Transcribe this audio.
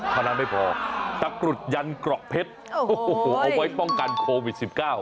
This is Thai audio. เท่านั้นไม่พอตะกรุดยันเกราะเพชรเอาไว้ป้องกันโควิด๑๙